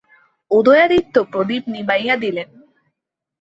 উদয়াদিত্য প্রদীপ নিবাইয়া দিলেন।